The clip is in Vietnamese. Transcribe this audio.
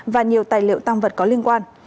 và nhiều tài liệu tăng vật có liên quan